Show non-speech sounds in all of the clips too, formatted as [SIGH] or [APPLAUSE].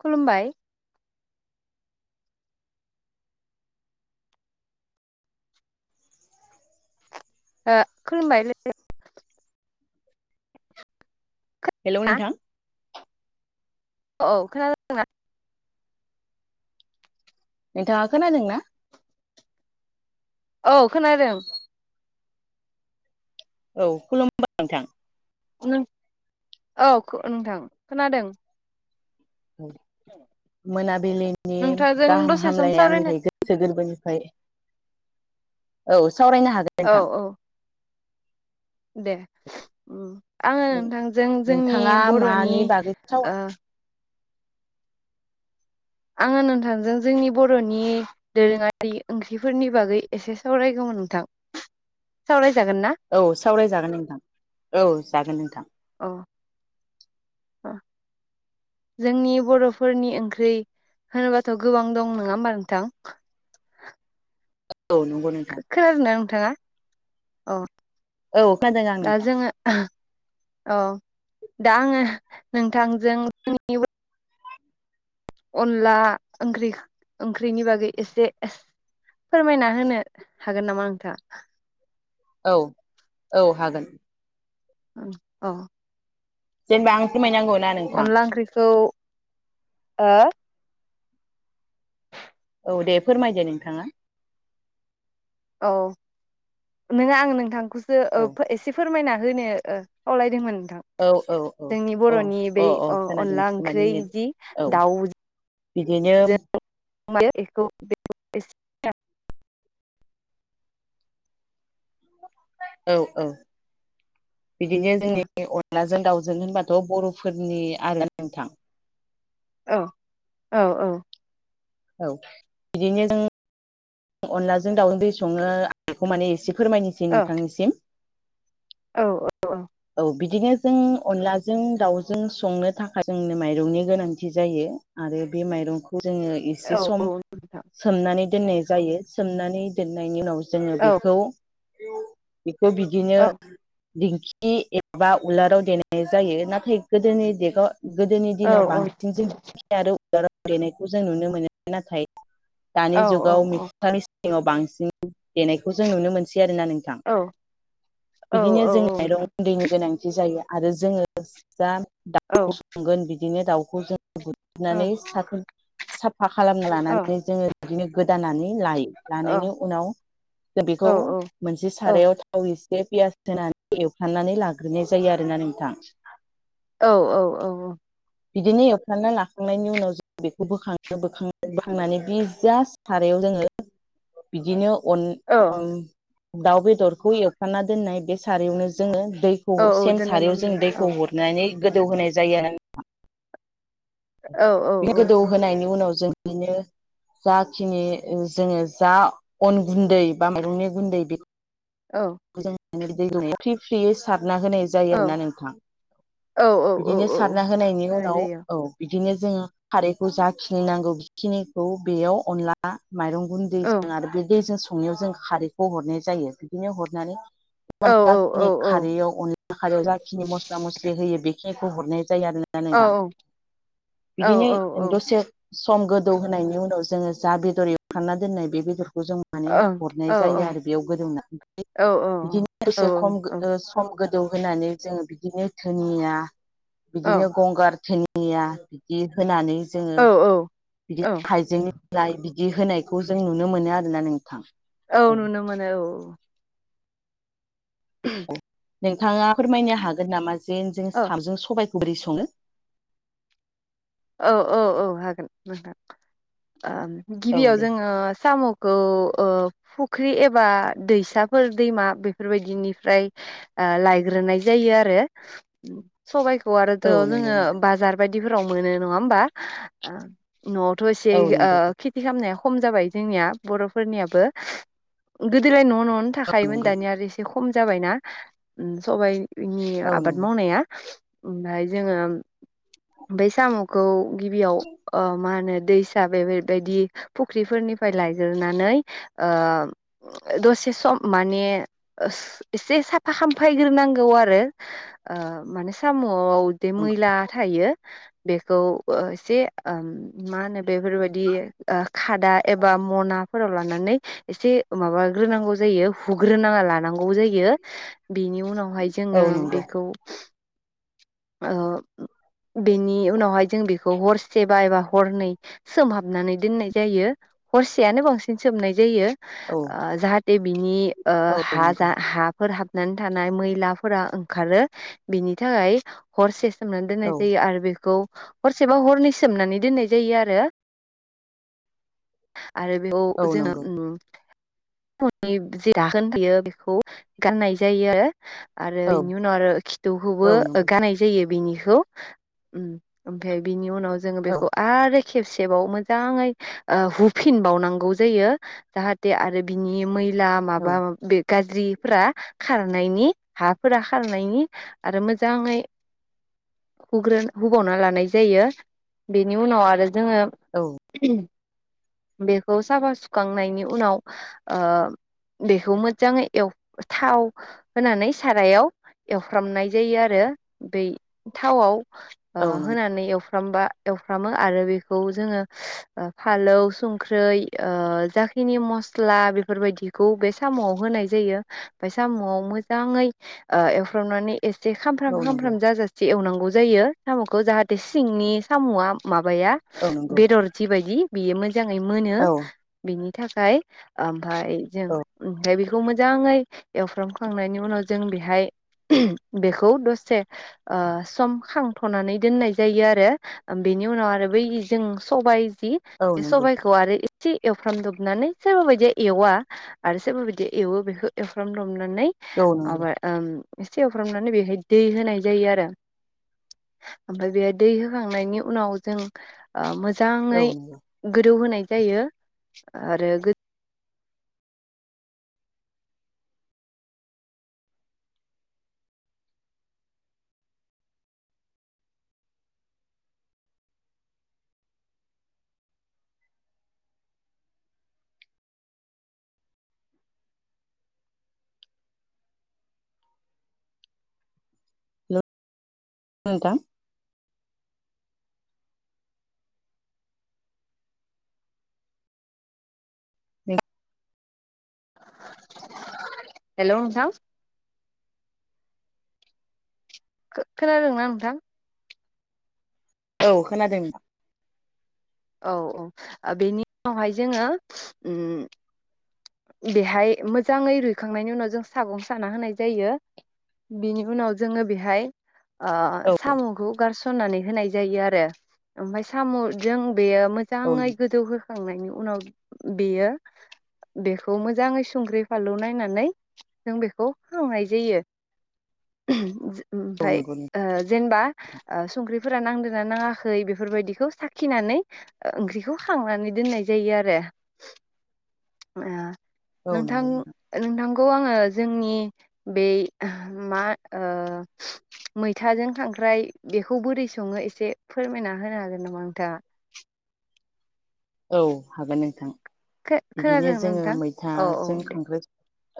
खुलुमबाय ओ खुलुमबायलै [UNINTELLIGIBLE] हेल' नोंथां औ औ खोनाादोंना नोंथाङा खोनादों ना? औ खोनादों। औ खुलुमबा नोंथां। नों औ खो- नोंथां खोनादों। मोनाबिलिनि नोंथांजों गाहाम दसे सम हामलायनाय सावरायनो आंनिफ्राय गोस गोरबोनिफ्राय औ सावरायनो हागोन औ औ दे आङो नोंथां नोंथांजों जोंनि नोंथाङा बर'नि मानि बागै साव ओ आङो नोथांजों जोंनि बर'नि दोरोङारि ओंख्रिफोरनि बागै एसे सावरायगौमोन नोंथां सावरायजागोन ना? औ सावरायजागोन नोंथां औ जागोन नोंथां औ [INAUDIBLE] जोंनि बर'फोरनि ओंख्रि होनोबाथ' गोबां दं नङा होमबा नोंथां? औ नंगौ नोंथां खोनादोंना नोंथाङा? औ औ खोनादों आं दा नोंथां जोङो औ दा आङो नोंथांजों [UNINTELLIGIBLE] अनला ओंख्रि ओंख्रिनि बागै एसे फोरमायना होनो हागोन नामा नोंथाङा? औ औ हागोन ओं औ जेनबा आं फोरमायनांगौना नों अनला ओंख्रिखौ हो? औ दे फोरमायदो नोंथाङा औ नोङा आं नोंथांखौसो ओ औ एसे एसे फोरमायना होनो खावलायदोंमोन नोंथां औ औ औ जोंनि औ बर'नि अ बै अ खोनादों अनला एसे माने ओंख्रि नेट जि औ दाउ बिदिनो [UNINTELLIGIBLE] औ औ बिदिनो उम जोंनि [UNINTELLIGIBLE] आनलाजों दाउजों होनबाथ' बर'फोरनि आरो नोंथां औ औ औ औ बिदिनो जों अनलाजों दाउजों बोरै सङो आं बेखौ माने एसे फोरमायनोसै नोंथांनिसिम औ औ औ बिदिनो जों अनलाजों दाउजों संनो थाखाय जोंनो माइरंनि गोनांथि जायो आरो बे माइरंखौ जोङो औ एसे सम औ नोंथां सोमनानै दोननाय जायो सोमनानै दोननायनि उनाव जोङो औ बेखौ बेखौ बिदिनो औ दिंखि एबा उलाराव देनाय जायो नाथाय गोदोनि देगाव गोदोनि औ दिनाव बांसिन दिंखि आरो उलाराव देनायखौ जों नुनो मोनो नाथाय औ दानि औ जुगाव मिथिंगानि सिङाव बांसिन देनायखौ जों नुनो मोनसै आरोना नों थां औ बिदिनो औ जोङो नोंथां दैनि गोनांथि जायो आरो जोङो जा औ औ दाउखौ सगोन बिदिनो दाउखौ जों औ बुदनानै सा-साफा खालामना औ लानानै जोङो बिदिनो गोदानानै लायो लानायनि उनाव जों औ बेखौ औ मोनसे औ सारायाव थाव एसे पियास होनानै एवफनानै लाग्रोनाय जायो आरोना नोंथां औ औ औ औ बिदिनो एवफ्रांना लाखांनायनि उनाव बेखौ बोखाङो बोखां बोखांनानै बि जास्ट सारायाव जोङो बिदिनो अन औ अन दाउ बेदरखौ एवफ्रामना दोननाय बे सारयावनो जोङो दै औ औ सेम दोननानै सारयाव जों दोनजाया औ दैखौ हरनानै गोदौ होनोनाय जायो आरोना औ औ बे औ गोदौ होनायनि उनाव जों बिनो जाखिनि जोङो जा अन गुन्दै बा मैरंनि गुन्दै बे औ। बेखौ जों फ्रि फ्रि सारना होनाय औ जायो आरोना नोंथां। औ औ बिदिनो औ सारना होनायनि होनाय उनाव जायो औ बिदिनो जोङो खारैखौ जाखिनि नांगौ बेखिनिखौ बेयाव अनला माइरं गुन औ दैजों आरो बे दैजों संनायाव जों खारैखौ हरनाय जायो बिदिनो हरनानै औ औ जाखिनि औ खारैयाव अनला खारैयाव जाखिनि मस्ला मस्लि होयो बेखिनिखौ हरनाय जायो आरो न औ औ। औ बिदिनो ओं दसे सम गोदौ होनायनि उनाव जोङो जा बेदर एवफ्रामना दोननाय बे बेदरखौ जों माने औ हरनाय औ जायो आरो बेयाव गोदौना ओमफ्राय बिदिनो औ एसे खम सम गोदौ होनानै जोङो बिदिनो धोनिया बिदिनो गंगार धोनि धोनिया बिदि होनानै औ औ। बिदि औ हाइजेंइ बिलाय बिदि होनायखौ जों नुनो मोनो आरोना नोंथां? औ नुनो मोनो औ। औ नोंथाङा फोरमायनो हागोन नामा जे जों औ साम'जों सबायखौ बोरै सङो? औ औ औ हागोन नोंथां। औ गिबियाव दे जोङो साम' औ ओ फुख्रि एबा दैसाफोर दैमा बेफोरबायदिनिफ्राय आं लायग्रोनाय जायो आरो सबाइखौ आरोथ' औ नंगौ जोङो नोंथां बाजार बायदिफोराव मोनो नङा होमबा? न'आवथ' एसे औ ओ नंगौ खेथि खालामनाया खम जाबाय जोंनिया बर'फोरनियाबो गोदोलाय न' न' औ थाखायोमोन नंगौ दानिया आरो एसे खम जाबायना सबायाइनि औ आबाद नंगौ मावनाया। ओमफ्राय जोङो बै साम'खौ गिबियाव मा ओ होनो दै दा बेबायदि फुख्रिफोरनिफ्राय लायगोरनानै ओ दसे सम माने एसे साफा खामफायग्रोनांगौ आरो। ओ माने साम'आव बे मैला थायो बेखौ एसे ओ मा होनो बेफोरबायाददि ओ खादा एबा मनाफोराव लानानै एसे माबाग्रोनांगौ जायो हुग्रोनाङा लानांगौ जायो। बेनि उनाव बेखौहाय औ जोङो नंगौ बेखौ ओ बेनि उनावहाय जों बेखौ हरसे बा एबा हरनै सोमहाबनानै दोननाय जायो हरसेयानो बांसिन सोमनाय जायो। औ ओ जाहाथे बिनि ओ औ हा नंगौ जा हा फोर हाबनानै थानाय मैलाफोरा ओंखारो बिनि थाखाय हर सेसनानै दोन औ जायो आरो बेखौ हरसेबा हरनै सोमनानै दोननाय जायो आरो। आरो बेखौ औ नंगौ जोङो साम'नि जे दाखोन बियो बेखौ गारनाय जायो आरो। आरो औ बेनि उनाव आरो खिथौखौबो औ नंगौ गानानाय जायो बेनिखौ। ओमफ्राय बिनि उनाव जोङो औ बेखौ आरो खेबसेबाव मोजाङै ओ हुफिनबावनांगौ जायो। जाहाथे आरो बिनि मैला माबा बे गाज्रि फोर खारनायनि हाफोरा खारनायनि आरो मोजाङै हुग्रो हुबावना लानाय जायो। बेनि उनाव आरो जोङो औ। बेखौ साफा सुखांनायनि उनाव ओ बेखौ मोजाङै एव थाव होनानै सारायाव एवफ्रामनाय जायो आरो बै थावआव ओ औ नंगौ होनानै एवफ्रामबा एवफ्रामो आरो बेखौ जोङो ओ फालौ संख्रै जाखिनि मस्ला बेफोरबायदि खौ बे साम'आव होनाय जायो बे साम'आव मोजाङै ओ एवफ्रामनानै एसे खामफ्राम औ नंगौ खामफ्राम जाजा एसे एवनांगौ जायो साम'खौ जाहाथे सिंनि साम'आ माबाया औ नंगौ बेदर जिबायदि बेयो मोजाङै मोनो औ बेनि थाखाय ओमफ्राय जों औ ओमफ्राय बेखौ बेखौ मोजाङै एवफ्रामखांनायनि उनाव जों बेहाय बेखौ दसे ओ सम खांथ'नानै दोननाय जायो आरो। बेनि उनाव आरो बै जों सबायाइ जि औ बे नंगौ सबायाइखौ आरो सि एवफ्रामदबनानै सोरबा बायदिया एवा। आरो सोरबा बायदिया एवो बेखौ एवफ्रामदमनानै औ आ नंगौ ओम एसे एवफ्रामनानै बेहाय दै होनाय जायो आरो ओमफ्राय बे दै होखांनायनि उनाव जों ओ मोजाङै औ नंगौ गोदौ होनाय जायो आरो गं औ नोंथां ए हेल' नोंथां खो खोनादों ना नोंथां? औ खोनादों नोंथां। औ औ ओ बेनि उनावहाय जोङो उम बेहाय मोजाङै रुइखांनायनि उनाव जों सागं साना होनाय जायो बिनि उनाव जोङो बेहाय ओ औ साम'खौ गारस'ननानै होनाय जायो आरो ओमफाय साम'जों बेयो औ औ जाङै नंगौ गोदौहोखांनायनि उनाव बेयो बेखौ मोजाङै संख्रि फानलु नायनानै जों बेखौ हांनाय जायो। औ ओमफाय नंगौ ओ जेनेबा ओ संख्रिफोरा नांदोना नाङाखै बेफोरबायदिखौ साखिनानै ओ ओंख्रिखौ खांनानै दोननाय जायो आरो। नोंथां नोंथांखौ आङो जोंनि बे मा ओ मैथाजों खांख्राइ बेखौ बोरै सङो एसे फोरमायना होनो हागोन नामा नोंथाङा? औ हागोन नोंथां बिदिनो खोनादों जोङो नोंथां औ औ मैथाजों दे खांख्राय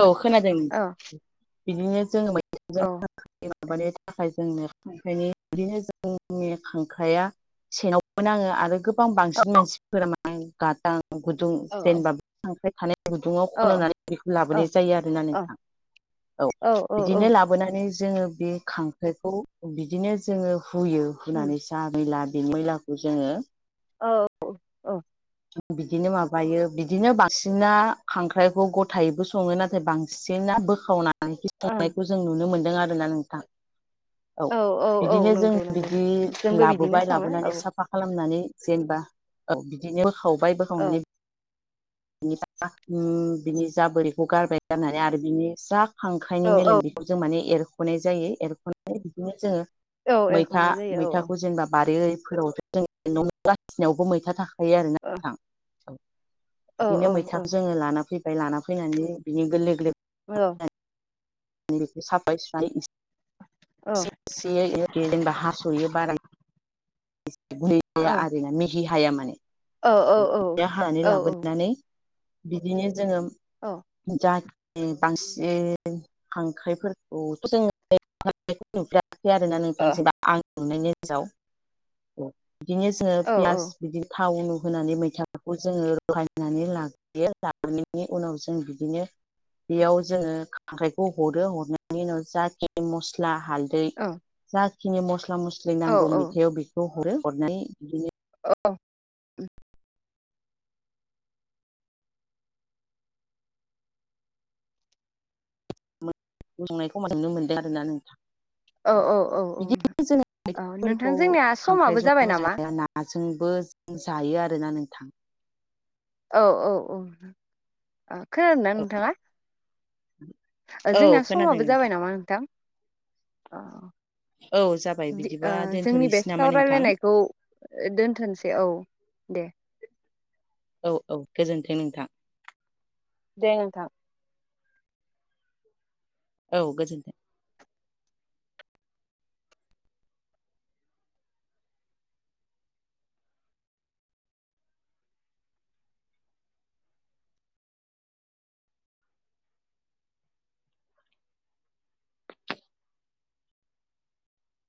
औ खोनादों औ बिदिनो जोङो मै औ। माबानि थाखाय जोंनो खांख्राइनि बिदिनो जोंनि खांख्राइया सेनावमोन आङो आरो गो गोबां बांसिन मानसिफोरा म गादां गुदुं औ जेनेबा खांख्राय थानाय समावनो गुदुङाव औ खन'नानै बेखौ औ लाबोनाय जायो आरोना नोंथां औ बिदिनो ला लाबोनानै जोङो बे खांख्राइखौ बिदिनो जोङो हुयो उम हुनानै जा मैला बे मैलाखौ जोङो औ। औ बिदिनो माबायो बिदिनो बांसिना खांख्राइखौ गथायैबो सङो नाथाय बां सिना बोखावनानै ओं संनायखौ जों नुनो मोनदों आरोना नोंथां। औ औ बिदिनो जों नंगौ नंगौ बिदि जोंबो बिदिनो लाबोबाय सङो लाबोनानै औ साफा खालामनानै जेनेबा ओ बिदिनो बोखावबाय औ बोखावनानै बिनि बिनि जा बोरैखौ गारबाय जानानै आरो बिनि जा औ खांख्राइनि औ मेलेम बेखौ जों माने एरख'नाय जायो एरख'नानै बिदिनो जोङो औ मैथा एरखांनाय जायो औ मैथाखौ जेनेबा बारिफोरावबो जों न' गासिनावबो मैथा थाखा यो आरो। ओ बिदिनो औ मैथाखौ जोङो लाना फैबाय लाना फैनानै बिदिनि गोरलै गोरलै औ बे साफायै औ सुनानै [UNINTELLIGIBLE] हास'यो बारा औ [UNINTELLIGIBLE] आरो ना मेहि हाया औ औ औ माने हानानै लाबोनानै बिदिनो जोङो औ जाहाथे बांसिन खांख्रायफोरखौ' जों [UNINTELLIGIBLE] बेखौ नुफेराखै आरो ना नोंथां जेनेबा आं नुनायनि नोजोराव बिदिनो जोङो पियास बिदि थाव उनु होनानै मैथाखौ जोङो रहायनानै ला बे लानायनि उनाव जों बिदिनो बेयाव जोङो खांख्राइखौ हरो हरनायनि उनाव जाखि मस्ला हालदै औ जाखिनि मस्ला मस्लि नांगौ मैथायाव बेखौ हरो हरनानै बिदिनो अ [UNINTELLIGIBLE] नुनो मोन्दों आरो ना नोंथां। औ बिदि औ जों औ [UNINTELLIGIBLE] नोंथां खौ जोंनिया समाबो जाबाय खांख्रायजोंल' नामा जाया ना नाजोंबो जायो आरोना नोंथां। औ औ औ ओ खोनादोंना नोंथाङा? [INAUDIBLE] औ जोंना खोनादों समाबो जाबाय नामा नोंथां। अ औ जाबाय जो ओ बिदिबा जोंनि बे दोनथ'नोसै नामा नोंथां सावरायलायनायखौ दोनथ'सै औ दे। औ औ गोजोन्थों नोंथां। दे नोंथां। औ गोजोन्थों।